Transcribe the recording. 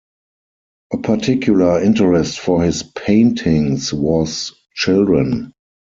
A particular interest for his paintings was children.